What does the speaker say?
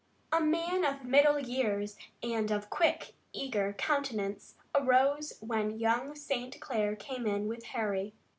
A man of middle years and of quick, eager countenance arose when young St. Clair came in with Harry.